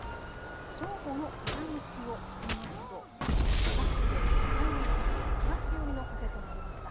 正午の風向きを見ますと各地で北寄り、もしくは東寄りの風となりました。